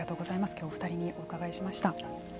今日はお二人にお伺いしました。